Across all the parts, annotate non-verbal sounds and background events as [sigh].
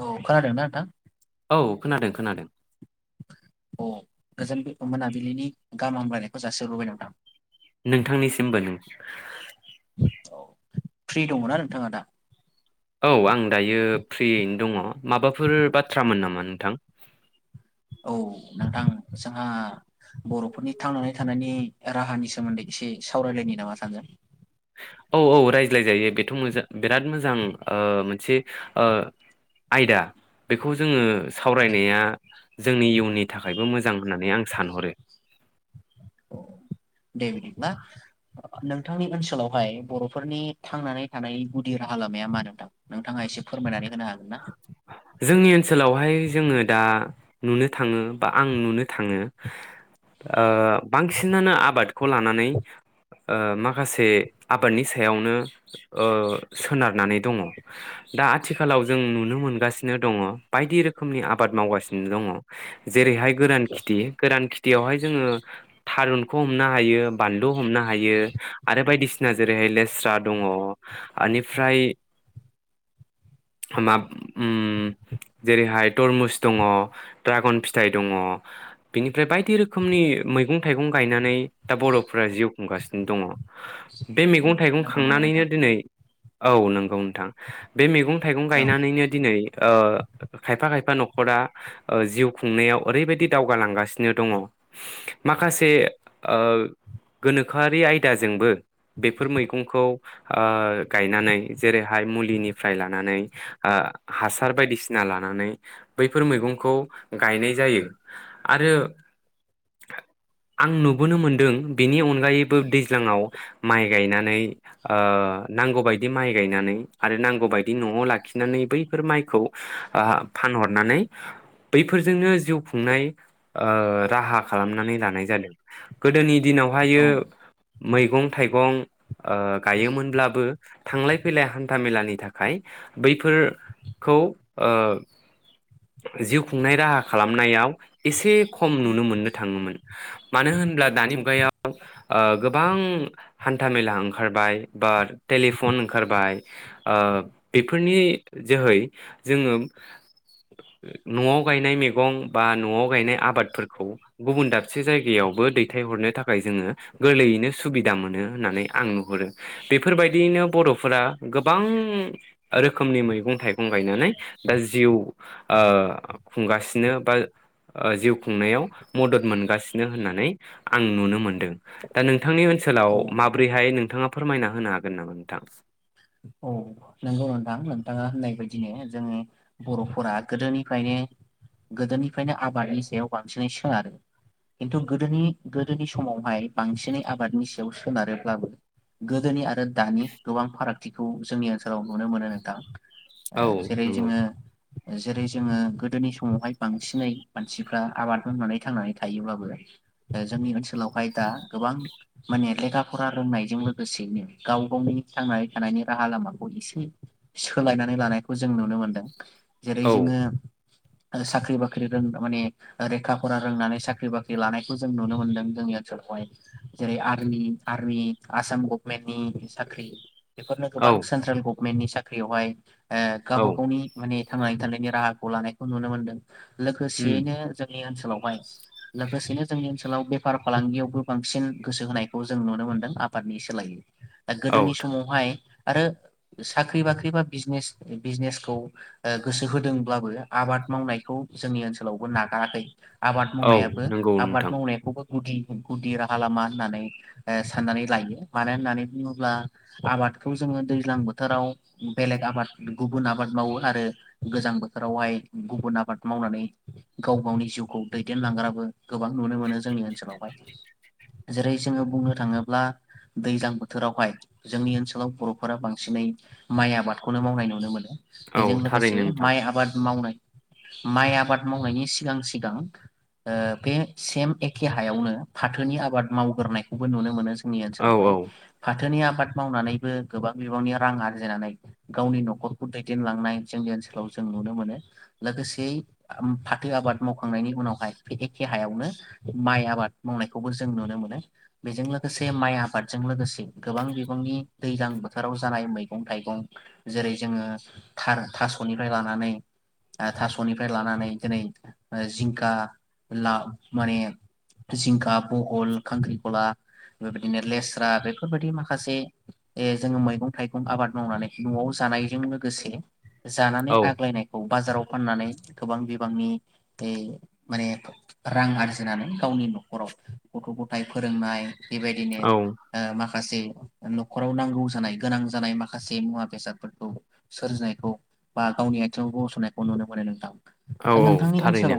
औ खोनादोंना नोंथां औ खोनादों खोनादों अ गोजोन मोनाबिलिनि गाहाम हामब्लायनायखौ जासिहरग्रोबाय नोंथां नोंथांनिसिमबो औ फ्रि दङना नोंथाङा दा औ आं दायो फ्रियैनो दङ माबाफोर बाथ्रामोन नामा नोंथां औ नोंथां जोंहा बर'फोरनि थांनानै थानायनि राहानि सोमोन्दै एसे सावरायलायनि नामा सानजों औ औ रायज्लायजायो बेथ' मोजां बिराद मोजां मोनसे ओ‌ ओ आयदा बेखौ जोङो सावरायनाया जोंनि इयुननि थाखायबो मोजां होननानै आं सानहरो दे बिदिब्ला नोंथांनि ओनसोलावहाय बर'फोरनि थांनानै थानाय गुदि राहा लामाया मा नोंथां नोंथाङा एसे फोरमायनानै होनो हागोन ना जोंनि ओनसोलावहाय जोङो दा नुनो थाङो बा आं नुनो थाङो बांसिनानो आबादखौ लानानै ओ माखासे आबादनि सायावनो सोनारनानै दङ दा आथिखालाव जों नुनो मोनगासिनो दङ बायदि रोखोमनि आबाद मावगासिनो दङ जेरैहाय गोरान खिथि गोरान खिथि बेयावहाय जोङो थारुनखौ हमनो हायो बानलु हमनो हायो आरो बायदिसिना जेरैहाय लेस्रा दङ ओनिफ्राय ओम मा जेरैहाय तरमुस दङ ड्रागन फिथाइ दङ बेनिफ्राय बायदि रोखोमनि मैगं थाइगं गायनानै नै दा बर'फोरा जिउ खुंगासिनो दङ बे औ मैगं थाइगं नंगौ नामा खांनानैनो नोंथां दिनै औ नंगौ नोंथां बे मैगं गं थाइगं औ गायनानैनो दिनै खायफा खायफा न' नखरा ओ जिउ खुंनायाव ओरैबायदि दावगालांगासिनो दङ माखासे ओ गोनोखोआरि आयदाजोंबो बेफोर मैगंखौ ओ गायनानै जेरैहाय मुलिनिफ्राय ला नानै ओ हासार बायदिसिना लानानै बैफोर मैगंखौ गायनाय जायो आरो आं नुबोनो मोन्दों बेनि अनगायैबो दैज्लाङाव माइ गायनानै नांगौ बायदि माइ गायनानै आरो नांगौ बायदि न'आव लाखिनानै बैफोर माइखौ फानहरनानै बैफोरजोंनो जिउ खुंनाय राहा खालामनानै लानाय जादों गोदोनि दिनावहाययो औ मैगं थाइगं ओ गायो मोनब्लाबो थांलाय फैलाय हान्था मेलानि था खाय बैफोरखौ ओ जिउ खुंनाय राहा खालामनायाव एसे खम नुनो मोननो थाङोमोन मानो होनोबब्ला दानि मुगायाव ओ गोबां हान्थामेला ओंखारबाय बा टेलिफन ओंखारबाय ओ बेफोरनि जोहै जोङो न'आव गायनाय मैगं बा न'आव गायनाय आबादफोरखौ गुबुन दाबसे जायगायावबो दैथायहरनो थाखाय जोङो गोरलैयैनो सुबिदा मोनो होननानै आं नुहुरो बेफोरबायदियैनो बर'फोरा गोबां रोखोमनि मैगं थाइगं गायनानै दा जिउ ओ खुंगासिनो बा जिउ खुंनायाव मदद मोनगासिनो होननानै आं नुनो मोनदों दा नों थांनि ओनसोलाव औ माब्रैहाय नोंथाङा फोरमायना होनो हागोन नामा नोंथां औ नोंगौ नोंथां नोंथाङा होननाय बायदिनो जोंनि बर'फोरा गोदोनिफ्रायनो गोदोनिफ्रायनो आबादनि सायाव बांसिनै सोनारो खिन्थु गोदोनि गोदोनि समावहाय बांसिनै आबादनि सायाव सोनारोब्लाबो गोदोनि आरो दानि गोबां फाराग थिखौ जोंनि ओनसोलाव नुनो मोनो नोंथां औ ओ जेरै नंगौ जोङो जेरै जोङो गोदोनि समावहाय बांसिनै मानसिफ्रा आबाद मावनानै थांनानै थायोब्लाबो ओ जोंनि ओनसोलावहाय दा गोबां माने लेखा फरा रोंनायजों लोगोसेयैनो गाव गावनि थांनाय थानायनि राहा लामाखौ एसे सोलायनानै लानायखौ जों नुनो मोनदों जेरै औ जोङो साख्रि बाख्रि रों माने रेखा फरा रोंनानै साख्रि बाख्रि लानायखौ जों नुनो मोनदों जोंनि ओनसोलावहाय जेरै आरमि आर्मि आसाम गभमेन्टनि साख्रि बेफोरनो औ गोबां सेन्ट्रेल गभ मेननि साख्रि आवहाय ओ औ गावबा गावनि माने थांनानै थानायनि राहाखौ लानायखौ नुनो मोन्दों उम लोगोसेयैनो जोंनि ओन सोलावहाय लोगोसेनो जोंनि ओनसोलाव बेफार फालांगियावबो बांसिन गोसो होनायखौ जों नुनो मोनदों आबादनि सोलायै दा औ गोदोनि समाव आरो साख्रि बाख्रि बा बिजनेस बिजनेसखौ ओ गोसो होदोंब्लाबो आबाद मावनायखौ जोंनि ओनसोलावबो नागाराखै आबाद औ मावनायाबो नंगौ आबाद नोंथां मावनायखौबो गुदि गुदि राहा लामा होननानै ओ साननानै लायो मानो होननानै बुङोब्ला आबादखौ जोङो दैज्लां बोथोराव बेलेग आबाद गुबुन आबाद मावो आरो गोजां बोथोरावहाय गुबुन आबाद मावनानै गाव गावनि जिउखौ दैदेनलांग्राबो गोबां नुनो मोनो जोंनि ओनसोलावहाय जेरै जोङो बुंनो थाङोब्ला दैज्लां बोथोरावहाय जोंनि ओनसोलाव बर'फोरा बांसिनै माइ आबादखौनो मावनाय नुनो मोनो औ बेजों लोगोसे थारैनो नोंथां माइ आबाद मावनाय माइ आबाद मावनायनि सिगां सिगां ओ बे सेम एखे हायावनो फाथोनि आबाद मावग्रोनायखौबो नुनो मोनो जों नि औ ओनसोलाव हाय फा थोनि आबाद मावनानैबो गोबां बिबांनि रां आरजिनानै गावनि न'खरखौ दैदेनलांनाय जोंनि ओनसोलाव जों नुनो मोनो लोगोसेयै फाथो आबाद मावखांनायनि उनावहाय फेथेखे हायावनो माइ आबाद मावनायखौबो जों नुनो मोनो बेजों लोगोसे माइ आबादजों लोगोसे गोबां बि बांनि दैजलां बोथोराव जानाय मैगं थाइगं जेरै जोङो थार थास'निफ्राय लानानै ओ थास'निफ्राय लानानै दिनै जिंखा ला माने जिंखा बहल खांख्रिखला बेबायदिनो लेस्रा बेफोरबायदि मा खासे ए जोङो मैगं थाइगं आबाद मावनानै न'आव जानायजों लोगोसे जानानै औ आग्लायनायखौ बाजाराव फाननानै गोबां बिबांनि माने रां आरजिनानै गावनि न'खराव गथ' गथाय फोरोंनाय बेबायदिनो औ ओ माखासे न'खराव नांगौ जानाय गोनां जानाय माखासे मुवा बेसादफोरखौ सोरजिनायखौ बा गावनि आथिङाव गसंनायखौ नुनो मोनो नोंथां औ औ थारैनो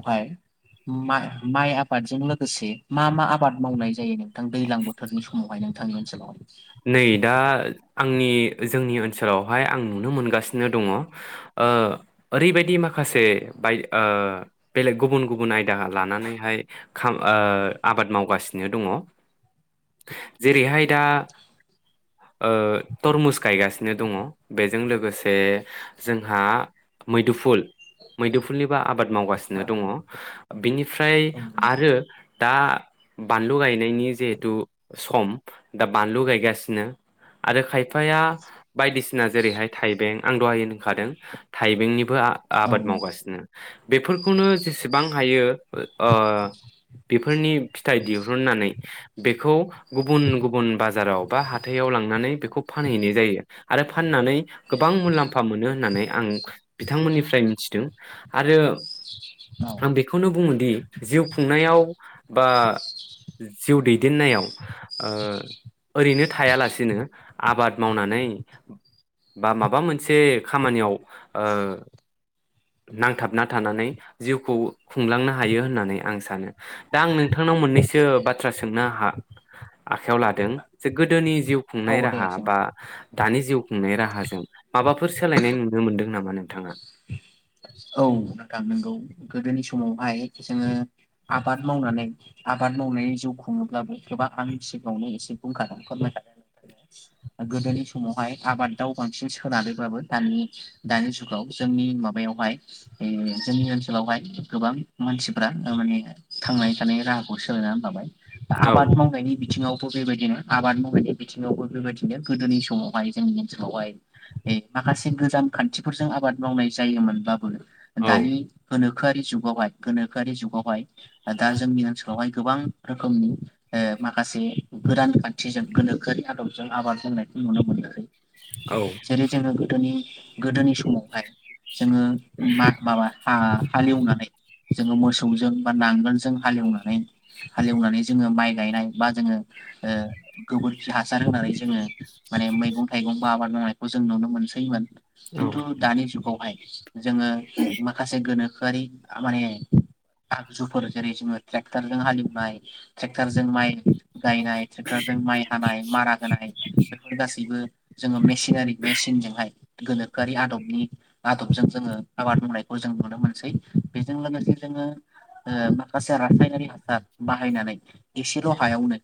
मा माइ आबादजों लोगोसे मा मा आबाद मावनाय जायो नों थां दैलां बोथोरनि समावहाय नोंथांनि ओनसोलाव नै दा आंनि जोंनि ओनसोलावहाय आं नुनो मोनगासिनो दङ ओ ओरैबायदि माखासे बाय ओ बेलेग गुबुन गुबुन आयदा लानानैहाय खा ओ आबाद मावगासिनो दङ जेरैहाय दा ओ तरमुस गायगासिनो दङ बेजों लोगोसे जोंहा मैदुफुल मैदुफुलनिबो आबाद मावगासिनो दङ बिनिफ्राय औ नोंथां आरो दा बानलु गायनायनि जिहेथु सम दा बानलु गाय गासिनो आरो खाय फाया बायदिसि ना जैरैहाय थाइबें आं दहाय होनखादों थाइबेंनि बो औ आबाद मावगासिनो बेफोरखौनो जेसेबां हायो ओ बेफोरनि फिथाइ दिहुननानै बेखौ गुबुन गुबुन बाजाराव बा हाथायाव लांनानै बेखौ फानहैनाय जायो आरो फाननानै गोबां मुलाम्फा मोनो होननानै आं बिथांमोननिफ्राय मिथिदों आरो नोंथां औ आं बेखौनो बुंनो दि जिउ खुंनायाव बा जिउ दैदेननायाव ओ ओरैनो थायालासिनो आबाद मावनानै बा माबा मोनसे खामानियाव ओ नांथाबना थानानै जिउखौ खुंलांनो हायो होननानै आं सानो दा आंनो नोंथांनाव मोननैसो बाथ्रा सो नो हा आखाइयाव लादों गोदोनि जिउ खुंनाय औ दे राहा सों बा दानि जिउ खुंनाय राहाजों माबाफोर सोलायनाय नुनो मोन्दों नामा नोंथाङा औ नोंथां नंगौ गोदोनि समावहाय जोङो आबाद मावनानै आबाद मावनायनि जिउ खुङोब्लाबो गोबां आंनि सिगाङावनो एसे बुंखादों फोरमायखादों गोदोनि समावहाय आबाद दाव बांसिन सोनानैब्लाबो दानि दानि जुगाव जोंनि माबायावहाय जोंनि ओनसोलावहाय गोबां मानसिफ्रा माने थांनानै थानाय राहाखौ सोलायनानै लाबाय औ आबाद मावनायनि बिथिङाव बेबायदिनो आबाद मावनायनि बिथिङावबो बेबायदिनो गोदोनि समावहाय जोंनि ओनसोलावहाय माखासे गोजाम खान्थिफोरजों आबाद मावनाय जायोमोनब्लाबो औ दानि गोनो खोआरि गोनोखोआरि जुगावहाय गोनोखोआरि जुगावहाय दा जोंनि ओनसोलावहाय गोबां रोखोमनि ओ माखासे गोदान खान्थिजों गोनोखोआरि आदबजों आबाद मावनायखौ नुनो मोनो औ जेरै जोङो गोदोनि गोदोनि समावहाय जोङो माघ माबा हा हालेवनानै जोङो मोसौजों बा नांगोलजों हालेवनानै हालेवनानै जोङो माइ गायनाय बा जोङो ओ गोबोरखि हासार होनानै जोङो माने मैगं थाइगंबो आबाद मावनाय जों नुनो मोनसै औ खिन्थु दानि जुग आवहाय जोङो माखासे गोनो थाखोआरि माने आगजुफोर जेरै जोङो ट्रेक्टरजों हालेवनाय ट्रेक्टारजों माइ गायनाय ट्रेक्टरजों माइ हानाय मारा होनाय बेफोर गासैबो जोङो मेसिन नारि मेसिनजोंहाय गोनोखोरि आदबनि आदबजों जोङो आबाद मावनायखौ जों नुनो मोनसै बेजों लोगोसे जोङो माखासे रा हासार बाहायनानै एसेल हायावनो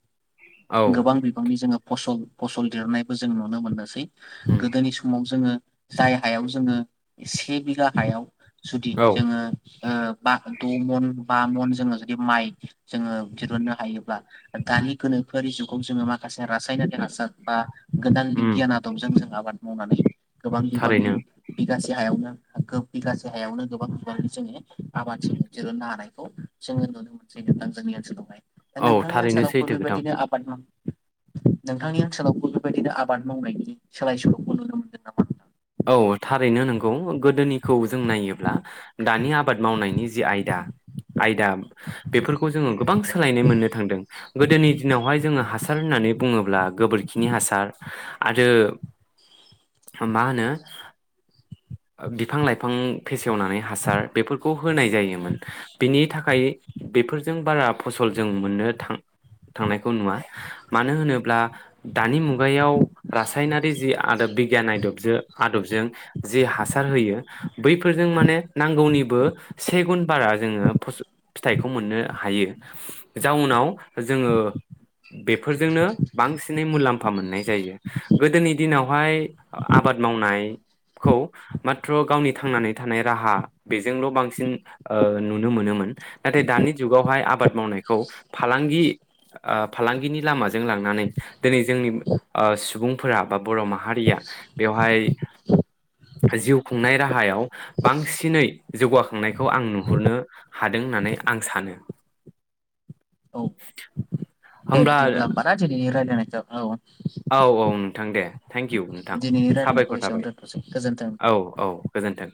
औ गोबां बिबांनि जोङो फसल फसल दिरूननायबो जों नुनो मोनदों। उम गोदोनि समाव जोङो जाय हायाव जोङो से बिघा हायाव जुदि औ जोङो बा द' मन बा मन जोङो जुदि माइ जोङो दिरुननो हायोब्ला दानि गोनोखोरि जुगाव जोङो माखासे रासायनारि हासार बा गोदान उम बिगियान आदबजों जों आबाद मावनानै गोबां बिबांनि थारैनो बिगासे हायावनो बिगासे हायावनो गोबां बिबांनि जोङो आबादथि दिरूननो हानायखौ जोङो नुनो मोनसै मोनदों जोंनि ओनसोलावहाय दा औ नोंथांनि थारैनो ओनसोलावबो सैथो बे खोथा बायदिनो आबाद माव नोंथांनि ओनसोलावबो बे बायदिनो आबाद मावनायनि सोलाय सोल'खौ नुनो मोनदों नामा? औ थारैनो नंगौ गोदोनिखौ जों नायोब्ला दानि आबा मावनायनि जि आयदा आयदा बेफोरखौ जोङो गोबां सोलायनाय मोननो थांदों। गोदोनि दिनावहाय जोङो हासार होननानै बुङो ब्ला गोबोरखिनि हासार आरो मा होनो [unintelligible] ओ बिफां लाइफां फेसेवनानै हासार बेफोरखौ होनाय जायोमोन बिनि थाखाय बेफोरजों बारा फसल जों मोननो थां थांनायखौ नुवा मानो होनोब्ला दानि मुगायाव रासायनारि [unintelligible] आदब बिगियान आयदबजो आदबजों जि हासार होयो बैफोरजों माने नांगौनिबो से गुन बारा जोङो फस' फिथाइखौ मोननो हायो। जाउनाव जोङो बेफोरजोंनो बांसिनै मुलाम्फा मोननाय जायो। गोदोनि दिनावहाय आबाद मावनाय खौ माथ्र गावनि थांनानै थानाय राहा बेजोंल' बांसिन ओ नुनो मोनोमोन। नाथाय दानि जुगावहाय आबाद मावनायखौ फालांगि ओ फालांगिनि लामाजों लांनानै दिनै जोंनि सुबुंफोरा बा बर' माहारिया बेवहाय जिउ खुंनाय राहायाव बांसिनै जौगाखांनायखौ आं नुहुरनो हादों होननानै आं सानो। औ [inaudible] दे होमब्ला बिदिब्ला बारा दिनैनि रायलायनायखौ औ औ औ नोंथां दे थेंकिउ नोंथां दिनैनि रायलायनायखौ साबायखर एसेयावनो थाबाय। दोनथ'सै गोजोन्थों। औ औ गोजोन्थों।